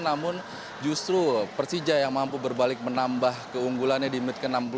namun justru persija yang mampu berbalik menambah keunggulannya di menit ke enam belas